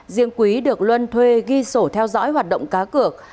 riêng quý được luân thuê ghi sổ theo dõi hoạt động cá cược